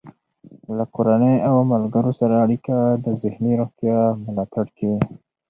له کورنۍ او ملګرو سره اړیکه د ذهني روغتیا ملاتړ کوي.